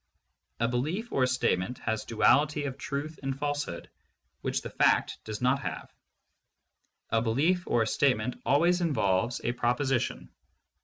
A belief or a statement has duality of truth and false hood, which the fact does not have. A belief or a statement always involves a proposition.